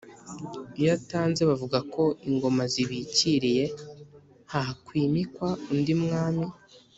Iyo atanze bavuga ko Ingoma Zibikiriye; hakwimikwa undi Mwami